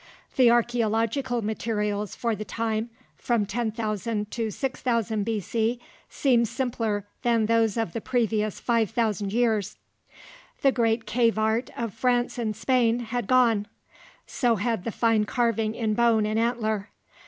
The archeological materials for the time from 10,000 to 6000 B.C. seem simpler than those of the previous five thousand years. The great cave art of France and Spain had gone; so had the fine carving in bone and antler.